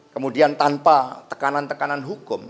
kemudian tanpa tekanan tekanan hukum